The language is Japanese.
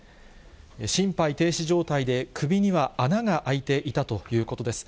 心肺停止状態で、首には穴が開いていたということです。